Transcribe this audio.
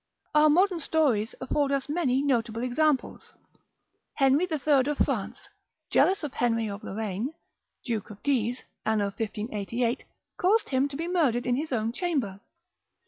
Our modern stories afford us many notable examples. Henry the Third of France, jealous of Henry of Lorraine, Duke of Guise, anno 1588, caused him to be murdered in his own chamber.